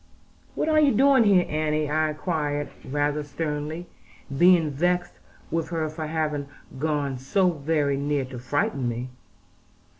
"What are you doing here, Annie?" I inquired rather sternly, being vexed with her for having gone so very near to frighten me.